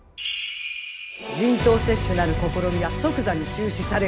人痘接種なる試みは即座に中止されよ！